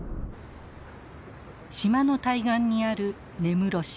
島の対岸にある根室市。